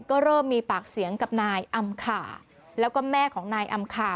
ก็เริ่มมีปากเสียงกับนายอำข่าแล้วก็แม่ของนายอำคา